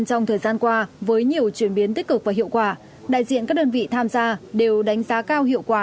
trong thời gian qua với nhiều chuyển biến tích cực và hiệu quả đại diện các đơn vị tham gia đều đánh giá cao hiệu quả